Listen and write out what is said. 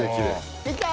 できた！